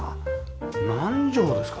何畳ですか？